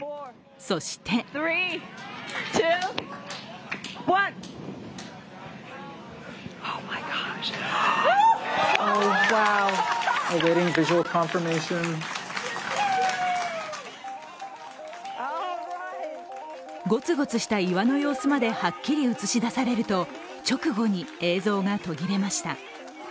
そしてゴツゴツした岩の様子まではっきり映し出されると直後に映像が途切れました。